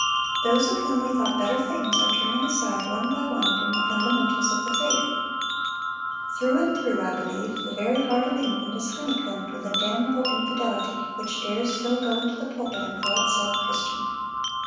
Those of whom we thought better things are turning aside one by one from the fundamentals of the faith. Through and through, I believe, the very heart of England is honeycombed with a damnable infidelity which dares still go into the pulpit and call itself Christian."